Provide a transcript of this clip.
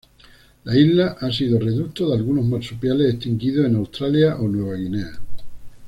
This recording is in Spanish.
La isla ha sido reducto de algunos marsupiales extinguidos en Australia o Nueva Guinea.